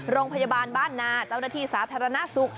โรงพยาบาลบ้านนาเจ้าหน้าที่สาธารณสุข